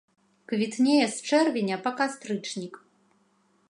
Квітнее з чэрвеня па кастрычнік.